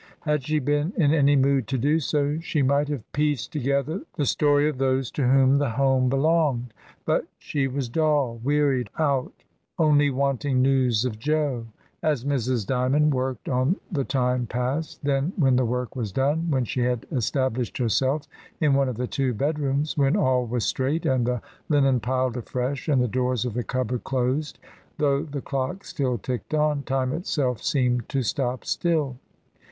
Had she been in any mood to do so, she might have pieced together the story of those to whom the home belonged; but she was dull, wearied out, only wanting news of Jo. As Mrs. Dymond worked on the time passed; then when the work was done, when she had established herself in one of the two bedrooms, when all was straight and the linen piled afresh and the doors of the cupboard closed, though the clocks still ticked on, time itself seemed to stop still.